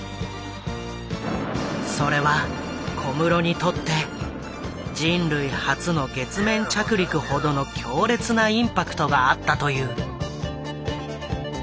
それは小室にとって人類初の月面着陸ほどの強烈なインパクトがあったという。